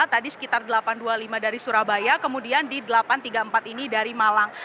tadi sekitar delapan ratus dua puluh lima dari surabaya kemudian di delapan ratus tiga puluh empat ini dari malang